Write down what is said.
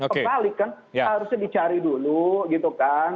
kembalikan harusnya dicari dulu gitu kan